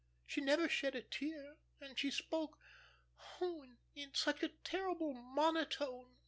She never shed a tear, and she spoke, oh, in such a terrible monotone.